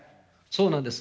そうなんです。